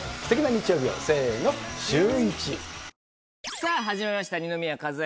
さぁ始まりました二宮和也